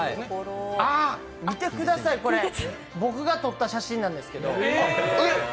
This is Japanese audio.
見てください、これ僕が撮った写真なんですけど。